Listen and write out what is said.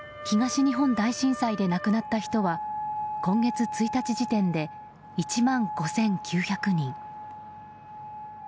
東日本大震災で亡くなった人は今月１日時点で１万５９００人。